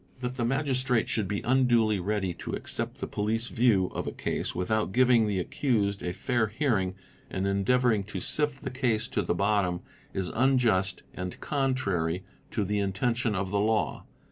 That the Magistrate should be unduly ready to accept the police view of a case without giving the accused a fair hearing and endeavouring to sift the case to the bottom is unjust and contrary to the intention of the law.